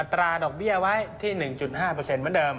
ตราดอกเบี้ยไว้ที่๑๕เหมือนเดิม